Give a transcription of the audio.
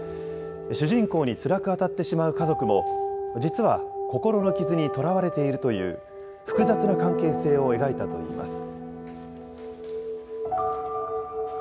主人公につらく当たってしまう家族も、実は心の傷にとらわれているという、複雑な関係性を描いたといいます。